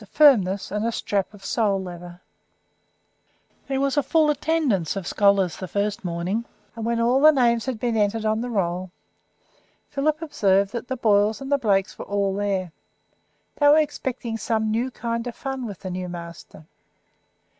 Firmness, and a Strap of Sole Leather. There was a full attendance of scholars the first morning, and when all the names had been entered on the roll, Philip observed that the Boyles and the Blakes were all there; they were expecting some new kind of fun with the new master.